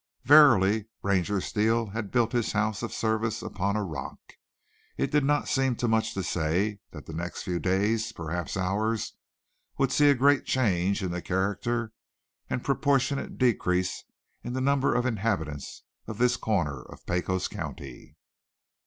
Verily Ranger Steele had built his house of service upon a rock. It did not seem too much to say that the next few days, perhaps hours, would see a great change in the character and a proportionate decrease in number of the inhabitants of this corner of Pecos County.